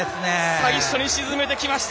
最初に沈めてきました。